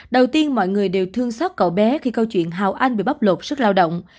đầu tiên mọi người đều thương sắc cậu bé khi câu chuyện hào anh bị bóc lột sức lao động